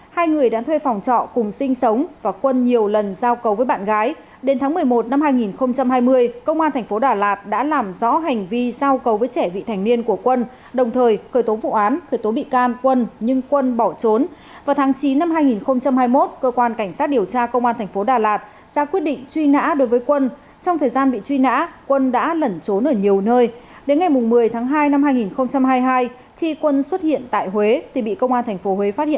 hai người đã thuê phòng trọ cùng sinh sống và quân nhiều lần giao cầu với bạn gái